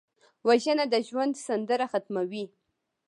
وژنه د ژوند سندره ختموي